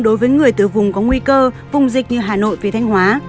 đối với người từ vùng có nguy cơ vùng dịch như hà nội về thanh hóa